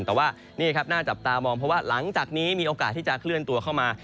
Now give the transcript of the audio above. แต่ว่านี่ครับน่าจับตามองเพราะว่าหลังจากนี้มีโอกาสที่จะเคลื่อนตัวเข้ามา